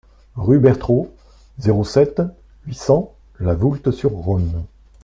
Rue Bertraud, zéro sept, huit cents La Voulte-sur-Rhône